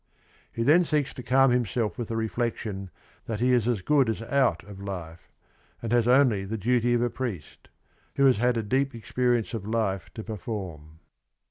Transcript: He then seeks to calm himself with the reflection that he is as good as out of life, and has only the duty of a priest; who has had a deep experience of life to perform.